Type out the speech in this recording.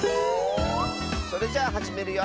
それじゃあはじめるよ！